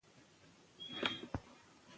تکرار شوې کړنې زموږ د بدن پیغامونه دي.